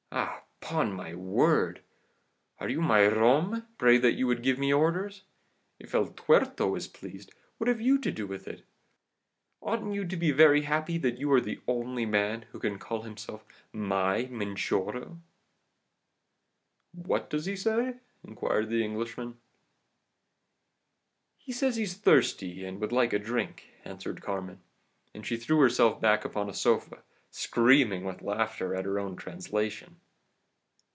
"'Ah! upon my word! Are you my rom, pray that you give me orders? If El Tuerto is pleased, what have you to do with it? Oughtn't you to be very happy that you are the only man who can call himself my minchorro?' My "lover," or rather my "fancy." "'What does he say?' inquired the Englishman. "'He says he's thirsty, and would like a drink,' answered Carmen, and she threw herself back upon a sofa, screaming with laughter at her own translation.